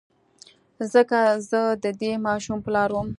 ځکه زه د دې ماشوم پلار وم.